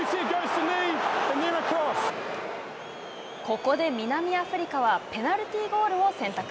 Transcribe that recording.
ここで南アフリカはペナルティーゴールを選択。